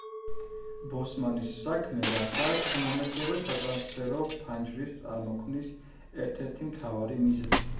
ბოსმანის საქმე გახდა თანამედროვე სატრანსფერო ფანჯრის წარმოქმნის ერთ-ერთი მთავარი მიზეზი.